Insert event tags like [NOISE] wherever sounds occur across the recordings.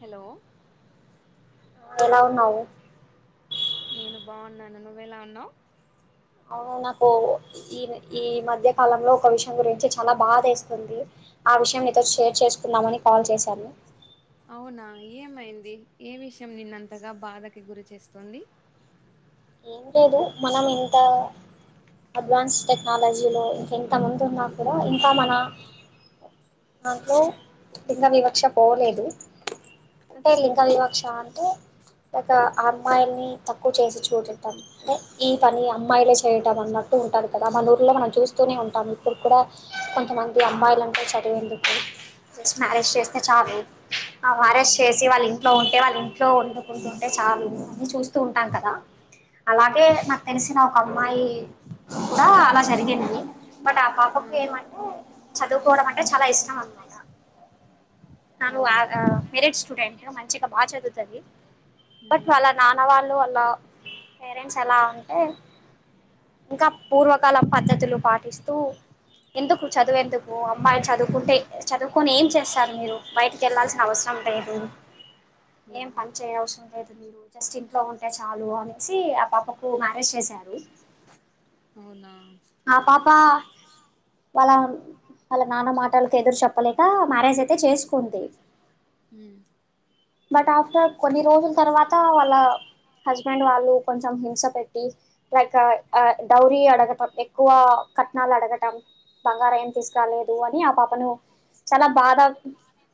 Hello ఎలా ఉన్నావు నేను బాగున్నాను నువ్వెలా ఉన్నావ్ నాకు ఈ ఈ మధ్య కాలంలో ఒక విషయం గురించి చాలా బాధేస్తుంది ఆ విషయం నీతో షేర్ చేసుకుందామని కాల్ చేశాను అవునా ఏమైంది ఏ విషయం నిన్నంతగా బాధకి గురి చేస్తోంది ఏం లేదు మనం ఇంత అడ్వాన్స్ టెక్నాలజీలో ఇంత ఎంతమందు ఉన్నా కూడా ఇంకా మన దాంట్లో లింగవివక్ష పోలేదు అంటే ఉమ్, లింగవివక్ష అంటే ఇలాగా ఆ అమ్మాయిల్ని తక్కువ చేసి చూడం అంటే ఈ పని అమ్మాయిలే చేయడం అన్నట్టు ఉంటారు కదా మన ఊర్లో మనం చూస్తూనే ఉంటాము ఇప్పుడు కూడ కొంతమంది అమ్మాయిలంటే చదువేందుకు జస్ట్ మ్యారేజ్ చేస్త చాలు ఆ అరెస్ట్ చేసి వాళ్ళ ఇంట్లో ఉంటే వాళ్ళ ఇంట్లో వండుకుంటూ ఉంటే చాలు అని చూస్తూ ఉంటాం కద అలాగే నాకు తెలిసిన ఒక అమ్మాయి కూడ అలా జరిగంది బట్ ఆ పాపకి ఏమంటే చదువుకోవడం అ చాలా ఇష్టం అన్నమాట తను అవునా మెరిట్ స్టూడెంట్ మంచిగా బాగా చదువుతది బట్ ఉమ్, వాళ్ళ నాన్న వాళ్ అల పేరెంట్స్ ఎలా అంటే ఇంకా పూర్వకాలం పద్ధతులు పాటిస్తూ ఎందుకు చదువేందుకు అమ్మాయిలు చదువుకుంటే చదువుకొని ఏం చేస్తరు మీరు బయటికి వెళ్లాల్సి అవసరం లేదు ఏం ఉమ్, పని చేయ అవసరం లేదు జస్ట్ ఇంట్లో ఉంటే చాలు అని వచ్చి ఆ పాపకు మ్యారేజ్ చేశారు అవునా ప్ప వాళ్ళ వాళ్ళ నాన్న మాటలకి ఎదురు చెప్పలేక మ్యారేజ్ అయితే చేసుకుంది హమ్ బట్ ఆఫ్టర్ కొన్ని రోజుల తర్వాత వాళ్ళ హస్బెండ్ వాళ్ళు కొంచెం హింస పెట్టి లైక్ డౌరీ అడగటం ఎక్కువ కట్నాలు అడగటం బంగారం ఏం తీసుకురాలేదు అని ఆ పాపను చాలా బాధ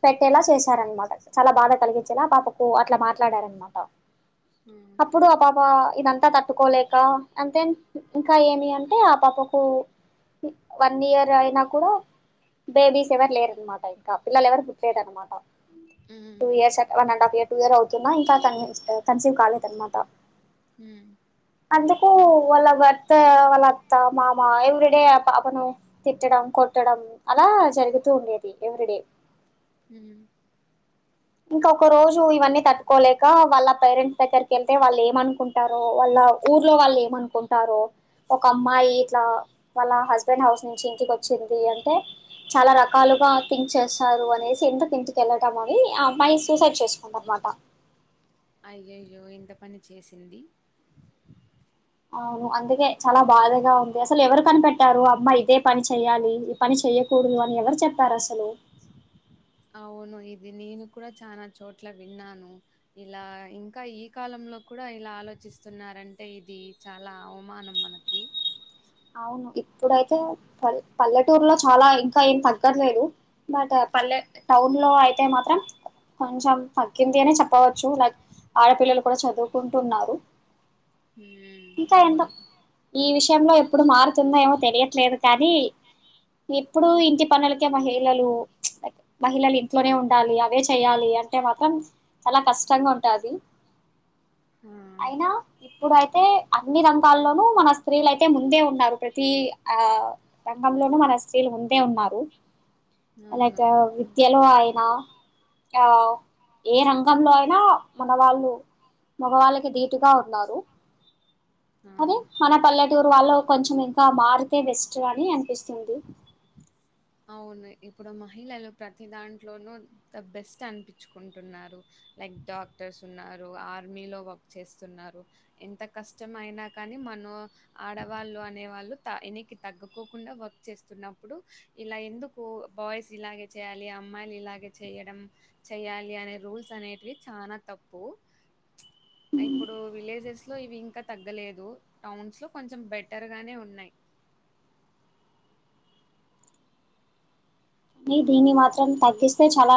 పెట్టేలా చేశారనమాట చాలా బాధ కలిగి లా పాపకు అట్ల మాట్లాడారనమాట ఉమ్, అప్పుడు ఆ పాప ఇదంతా తట్టుకోలేక అండ్ దేన్ ఇంకా ఏమి అంటే ఆ పాపకు వన్ ఇయర్ అయినా కూడా బేబీస్ ఎవరు లేర అన్నమాట ఇంకా పిల్లలు ఎవరు ట్ లేద్ అనమాట హమ్ one and half year two year అవుతున్నా ఇంకా కన్సీవ్ కాలేదన్న అనమాట హ్మ్ అందుకు వాళ్ళ భర్త వాళ్ళ అత్త మామ ఎవ్రీడే పాపను తిట్టడం కొట్టడం అలా జరుగుతూ ఉండేది ఎవ్రీడే హ్మ్ ఇంకా ఒక రోజు ఇవన్నీ తట్టుకోలేక వాళ్ళ పేరెంట్స్ దగ్గరకి వెళ్తే వాళ్ళు ఏమనుకుంటారొ వాళ్ళ ఊర్లో వాళ్ళు ఏమనుకుంటారో ఒక అమ్మాయి ఇట్లా వాళ్ళ హస్బెండ్ హౌస్ నుంచి ఇంటికి వచ్చింది అంటే చాలా రకాలుగా థింక్ చేస్తారు అనేసి ఎందుకు ఇంటికెళ్ళటం అని ఆ మైయి సూసైడ్ చేసుకుందన్నమాట అయ్యయ్యో ఎంత పని చేసింది అవును అందుకే చాలా బాధగా ఉంది అసలు ఎవరు కనిపెట్టారు అమ్మా ఇదే పని చెయ్యాలి ఈ పని చెయ్యకూడదు అని ఎవరు చెప్పారు అసలు అవును ఇది నేను కూడా చాలా చోట్ల విన్నాను ఇలా ఇంకా ఈ కాలంలో కూడా ఇలా ఆలోచిస్తున్నారంటే ఇది చాలా అవమానం మనకి అవును ఇప్పుడైతే పల్ పల్లెటూరులో చాలా ఇంకా ఏం తగ్గట్లేదు బట్ పల్లె టౌన్ లో అయితే మాత్రం కొంచెం తగ్గింది అనే చెప్పవచ్చు లైక్ ఆడపిల్లలు కూడా చదువుకుంటున్నారు హ్మ్. ఇంకా ఎందొ అవును. ఈ విషయంలో ఎప్ ఇప్పుడు మారుతుందో ఏమో తెలియట్లేదు కానీ ఎప్పుడుూ ఇంటి పనులకే మహిళలు మహిళలు ఇంట్లోనే ఉండాలి అవే చెయ్యాలి అంటే మాత్రం చాలా కష్టంగా ఉంటది ఆ! అయినా ఇప్పుడయితే అన్ని రంగాల్లోనూ మన స్త్రీలు అయితే ముందే ఉన్నారు ప్రతి ఆ రంగంలోనూ మన స్త్రీలు ముందే ఉన్నారు అలా అవును. విద్యా లో అయినా ఆ ఏ రంగంలో అయినా మన వాళ్ళు మగవాళ్ళకి ధీటుగా ఉన్నారు ఆ! అదే మన పల్లే త్తులు వాళ్లే కొంచెం ఇంకా మారితే బెస్ట్ గాని అని ఇస్తుంది అవును ఇప్పుడు మహిళలు ప్రతి దాంట్లోనూ ద బెస్ట్ అనిపించుకుంటున్నారు లైక్ డాక్టర్స్ ఉన్నారు ఆర్మీలో వర్క్ చేస్తున్నారు ఎంత కష్టమ అయినా కానీ మనం ఆడవాళ్ళు అనేవాళ్ళు ఎనికి తగ్గకోకుండా వర్క్ చేస్తున్నప్పుడు ఇలా ఎందుకు బాయ్స్ ఇలాగే చేయాలి అమ్మాయిలు ఇలాగే చేయడం చెయాలి అనే రూల్స్ అనేటివి చాల తప్పు ఇప్పుడు విలేజెస్ లో ఇవి ఇంకా తగ్గలేదు టౌన్స్ లో కొంచెం బెటర్గానే ఉన్నాయి కానీ దీన్ని మాత్రం తగ్గిస్తే చాలా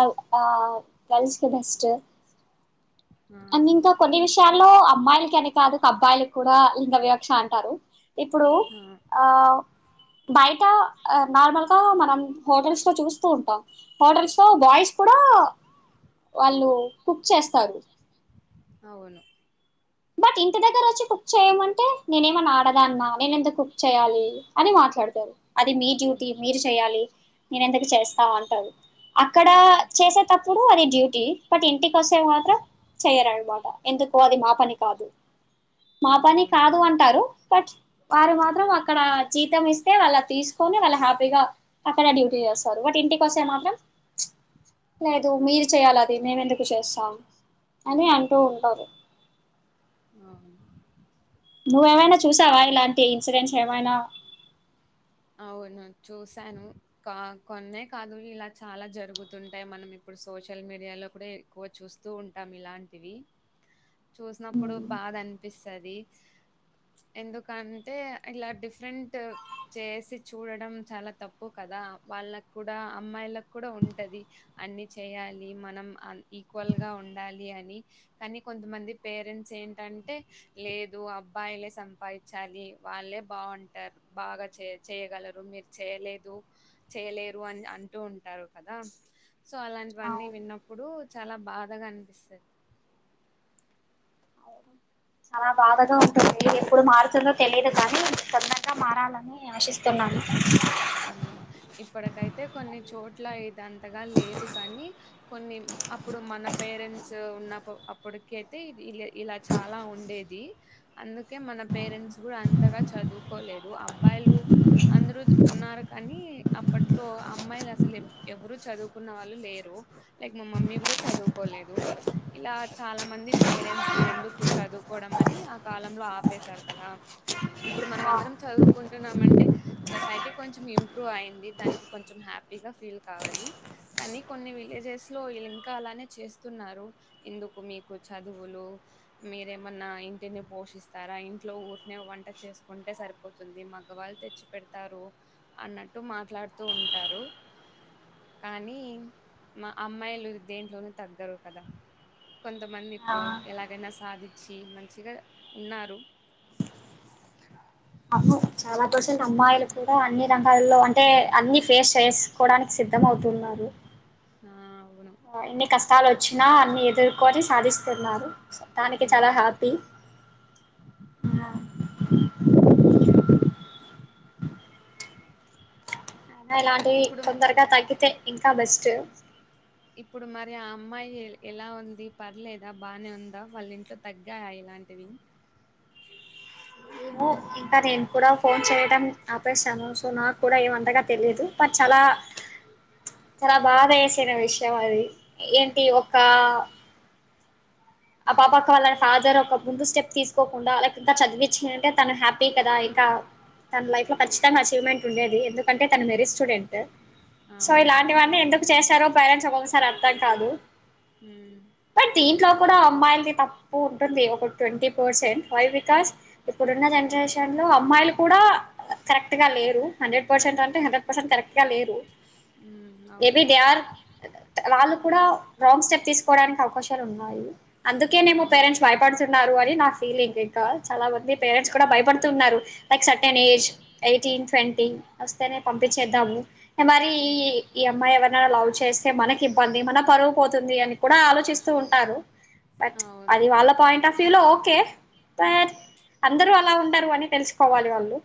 గర్ల్స్ కూ బెస్ట్ ఆ! అ అండ్ల ఇంకా కొన్ని విషయాల్లో అమ్మాయిలకనెఅని కాదు అబ్బాయిల కూడా లింగ విక్ష అంటారు ఇప్పుడు ఆ! ఆం బయట నార్మల్ గా మనం హోటల్స్ లో చూస్తూ ఉంటాం హోటల్స్ లో బాయ్స్ కూడా వాళ్ళు కుక్ చేస్తారు అవును బట్ ఇంటి దగ్గర వచ్చి కుక్ చేయమంటే నేనేమన్నా ఆడదా అన్న నేన ఎంతకు కుక్ చేయాలి అని మాట్లాడతారు అది మీ డ్యూటీ మీరు చెయాలి నేన్ ఎందుకు చేస్తా అంటారు అక్కడ చేసేటప్పుడు అది డ్యూటీ బట్ ఇంటికి వస్తే మాత్రం చెయ్యరు అన్నమాట్ ఎందుకో అది మా పని కాదు మా పని అవును. కాదు అంటారు బట్ వారు మాత్రం అక్కడ జీతం ఇస్తే వాళ్ళు అది తీసుకొని వాళ్ళు హ్యాపీగా అక్కడ డ్యూటీ చేస్తారు బట్ ఇంటికి వస్తే మాత్రం ప్చ్ లేదు మీరు చేయాలి అది మేము ఎందుకు చేస్తాం అని అంటూ ఉంటారు ఆ నువ్వేమైనా చూసావా ఇలాంటి ఇన్సిడెన్స్ ఏమైనా అవును చూసాను కా కొన్నే కాదు ఇలా చాలా జరుగుతుంటాయి మనం ఇప్పుడు సోషల్ మీడియాలో కూడా ఎక్కువ చూస్తూ ఉంటాం ఇలాంటివి చూసినప్పుడు బాధ అనిపిస్తు టది ఎందుకంటే ఇలా డిఫరెంట్ చేసి చూడడం చాలా తప్పు కదా వాళ్ళకు కూడా అమ్మాయిలకు కూడా ఉంటది అన్ని చేయాలి మనం ఈక్వల్గా ఉండాలి అని కానీ కొంతమంది పేరెంట్స్ ఏంటంటే లేదు అబ్బాయిలే సంపాదించాలి వాళ్ళే బాగుంటారు బాగా చే చేయగలరు మీరు చేయలేదు చేయలేరు అని అంటూ ఉంటారు కదా సో అలాంటివన్నీ అవును విన్నప్పుడు చాలా బాధగా అనిపిస్తది చాలా బాధగా ఉంటుంది ఎప్పుడు మారుతుందో తెలియదు కానీ తొందరగా మారాలని ఆశిస్తున్నాను హమ్ ఇప్పటికైతే కొన్ని చోట్ల ఇదంతగా లేదు కానీ కొన్ని అప్పుడు మన పేరెంట్స్ ఉన్నప్పు అప్పుడుకయితే ఇలా చాలా ఉండేది అందుకే మన పేరెంట్స్ కూడా అంతగా చదువుకోలేదు అబ్బాయిలు అందురు ఉన్నారు కానీ అప్పట్లో అమ్మాయిలు అసలు ఎవ ఎవరు చదువుకున్న వాళ్ళు లేరు లైక్ మా మమ్మీ కూడా చదువుకోలేదు ఇలా చాలా మంది పేరెంట్స్ మీరు ఎందుకు చదువుకోవడం అని ఆ కాలంలో ఆపేశారు కదా ఇప్పుడు మనం అందరం ఆ చదువుకుంటున్నామంటే సొసైటీ కొంచెం ఇంప్రూవ్ అయింది దానికి కొంచెం హ్యాపీగా ఫీల్ కావాలి కానీ కొన్ని విలేజెస్ లో వీళ్ళు ఇంకా అలానే చేస్తున్నారు ఎందుకు మీకు చదువులు మీరేమన్నా ఇంటిని పోషిస్తారా ఇంట్లో ఊరికేనే వంట చేసుకుంటే సరిపోతుంది మగవాళ్ళు తెచ్చి పెడతారు అన్నట్టు మాట్లాడుతూ ఉంటారు కానీ మా అమ్మాయిలు దేంట్లోనే తగ్గరు కదా కొంతమంది ఇప్పుడు ఎలాగైనా సాధిం చ్చి మంచిగా ఉన్నారు అవును చాలా పర్సెంట్ అమ్మాయిలు కూడా అన్ని రంగాల్లో అంటే అన్ని ఫేస్ చేసుకోవడానికి సిద్ధం అవుతున్నారు ఆ అవును. ఆ [UNINTELLIGIBLE] కష్టాలు వచ్చినా అన్ని ఎదుర్కొని సాధిస్తున్నారు దానికి చాలా హ్మ్. హ్యాపీ ఆ అయినా ఇలాంటివి ఇప్పుడు తొందరగా తగ్గితే ఇంకా బెస్ట్ ఇప్పుడు మరి ఆ అమ్మాయి ఎలా ఉంది పర్లేదా బాగానే ఉందా వాళ్ళ ఇంట్లో తగ్గాయా ఇలాంటివి ఏమో ఇంకా నేను కూడా ఫోన్ చేయడం ఆపేశాను సో నాకు కూడా ఏమంతగా తెలియదు బట్ చాలా చాలా బాధ వేసిన విషయం అది ఏంటి ఒక ఆ పాపక్క వాళ్ళ ఫాజరు ఒక ముందు స్టెప్ తీసుకోకుండా అల్లాక్ ఇంకా చదివి చ్ నుంటే తను హ్యాపీ కదా ఇంకా తన లైఫ్ లో ఖచ్చితంగా అచీవ్మెంట్ ఉండేది ఎందుకంటే తను మెరిట్ స్టూడెంట్ సో అవును ఇలాంటివన్నీ ఎందుకు చేశారో పేరెంట్స్ ఒకొక్కసా మరి అర్థం కాదు బట్ దీంట్లో కూడా హ్మ్ అమ్మాయిలది తప్పు ఉంటుంది ఒక ట్వంటీ పర్సెంట్ వై బికాస్ ఇప్పుడున్న జనరేషన్ లో అమ్మాయిలు కూడా కరెక్ట్గా లేరు హండ్రెడ్ పర్సెంట్ అంటే హండ్రెడ్ పర్సెంట్ కరెక్ట్ గా లేరు హ్మ్ అవును మేబీ దే ఆర్ వాళ్ళు కూడా రాంగ్ స్టెప్ తీసుకోవడానికి అవకాశాలు ఉన్నాయి అందుకేనేము అవును పేరెంట్స్ భయపడుతున్నారు అని నా ఫీలింగ్ ఇంకా చాలా మంది పేరెంట్స్ కూడా భయపడుతున్నారు like certain age eighteen twenty తేనే పంపించేద్దాము మరి ఈ ఉమ్, ఈ అమ్మాయి ఎవరై లవ్ చేస్తే మనకి ఇబ్బంది మన పరుగు పోతుంది అని కూడా ఆలోచిస్తూ ఉంటారు బట్ అవును అది వాళ్ళ పాయింట్ ఆఫ్ ఫీలో ఓకే బట్ అందరూ అలా ఉండరు అని తెలుసుకోవాలి వాళ్ళు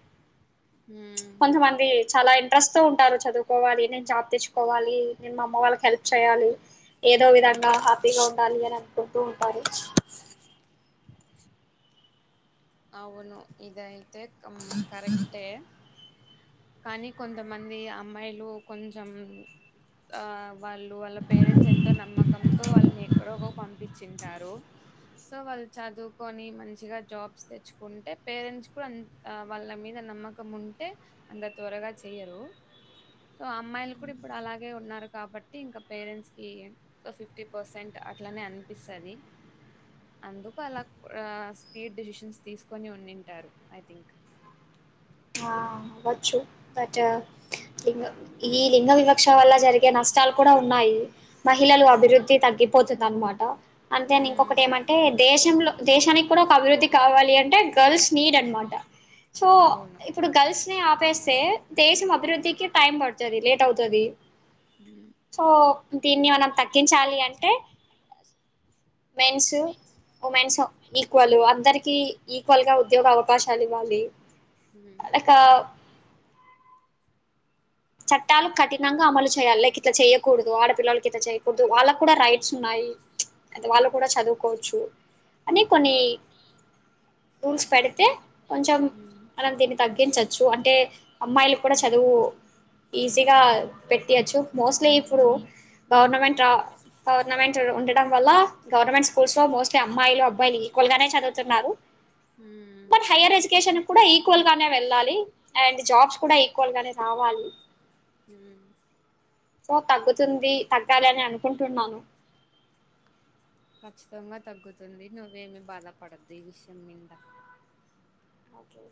ఉమ్ కొంతమంది చాలా ఇంట్రెస్ట్ తో ఉంటారు చదువుకోవాలి నేను జాబ్ తెచ్చుకోవాలి నేను మా అమ్మ వాళ్ళకి హెల్ప్ చేయ్యాలి ఏదో ఏదో ఉమ్ విధంగా హాపీ గా [UNINTELLIGIBLE] [UNINTELLIGIBLE] ఉంటారు అవును ఇదయి ఇదైతే కం కరెక్టే కానీ కొంతమంది అమ్మాయిలు కొంచెం ఆ వాళ్ళు వాళ్ళ పేరెంట్స్ ఎంతో నమ్మకంతో వాళ్ళని ఎక్కడో ఒక పంపించింటారు సో వాళ్ళు చదువుకొని మంచిగా జాబ్స్ తెచ్చుకుంటే పేరెంట్స్ కూడా వాళ్ళ మీద నమ్మకం ఉంటే అంత త్వరగా చెయ్యరు సో అమ్మాయిలు కూడా ఇప్పుడు అలాగే ఉన్నారు కాబట్టి ఇంకా పేరెంట్స్ కి ఫిఫ్టీ పర్సెంట్ అట్లానే అనిపిస్తది అందుకు అలా స్పీడ్ డిసిషన్స్ తీసుకొని ఉండింటారు ఐ థింక్ ఆ అవ్వచ్చు బట్ ఈ లింగ వివక్ష వల్ల జరిగే నష్టాలు కూడా ఉన్నాయి మహిళలు ఉమ్ అభివృద్ధి తగ్గిపో దా అన్నమాట అంతే ఇంకొకటి ఏమంటే దేశంలో దేశానికి కూడా ఒక అభివృద్ధి కావాలి అంటే గర్ల్స్ నీడ్ అనమాట సో అవును ఇప్పుడు గర్ల్స్ ని ఆపేస్ తే దేశం అభివృద్ధికి టైమ్ పడుతుంది లేట్ అవుతది ఉమ్ సో దీన్ని మనం తగ్గించాలి అంటే మెన్స్ ఉమెన్స్ ఈక్వల్ అందరికి కి ఈక్వల్ గా ఉద్యోగ అవకాశాలు ఇవ్వాలి ఉమ్ [UNINTELLIGIBLE] చట్టాలు కఠినంగా అమలు చేయాలి లైక్ ఇట్లా చేయకూడదు ఆడపిల్లలకి ఇట్లా చేయకూడదు వాళ్ళకు కూడా రైట్స్ ఉన్నాయి అదే వాళ్ళు కూడా చదువుకోవచ్చు అనే కొన్ని రూల్స్ పెడితే కొంచెం ఉమ్ మనం దీన్ని తగ్గించొచ్ చ్చు అంటే అమ్మాయిలు కూడా చదువు ఈజీగా పెట్టేయచ్చు మోస్ట్లీ ఇప్పుడు గవర్నమెంట్ గవర్నమెంట్ ఉండడం వల్ల, గవర్నమెంట్ స్కూల్స్ లో మోస్ట్లీ అమ్మాయిలు, అబ్బాయిలు ఈక్వల్ గానే చదువుతున్నారు. ఉమ్ బట్ హైర్ ఎజ్యుకేషన్ కూడా ఈక్వల్ గానే వెళ్ళాలి. అండ్ జాబ్స్ కూడా ఈక్వల్ గానే రావాలి. హ్మ్ ఉ ఓ తగ్గుతుంది తగ్గాలి అని అనుకుంటున్నాను. ఖచ్చితంగా తగ్గుతుంది. నువ్వేమి బాధపడద్దు. ఈ విషయం మింద ఓకే